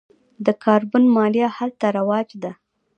د کاربن مالیه هلته رواج ده.